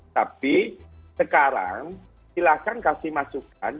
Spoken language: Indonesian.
tapi sekarang silahkan kasih masukan